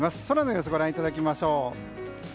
空の様子をご覧いただきましょう。